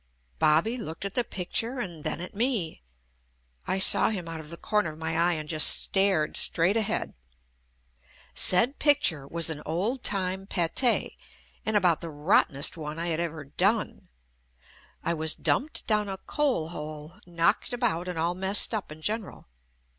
"Bobby" looked at the picture and then at me. I saw him out of the corner of my eye and just stared straight ahead. Said picture was an old time Pathe and about the rottenest one that I had ever done. I was dumped down a coal hole, knocked about and all messed up in general.